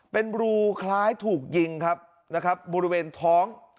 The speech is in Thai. เป็นรูคล้ายถูกยิงบริเวณท้อง